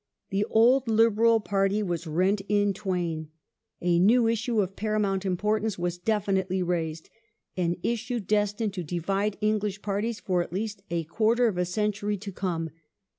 The old Liberal Party was rent in twain. A new issue of paramount importance was definitely raised — an issue destined to divide English Parties for at least a quarter of a century to come.